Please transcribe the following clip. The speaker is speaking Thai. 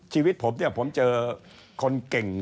ชีวิตผมเนี่ยผมเจอคนเก่ง